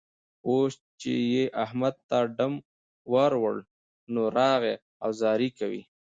اوس چې يې احمد ته ډم ور وړ؛ نو، راغی او زارۍ کوي.